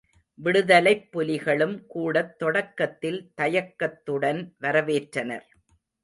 விடுதலைப் புலிகளும் கூடத் தொடக்கத்தில் தயக்கத்துடன் வரவேற்றனர்.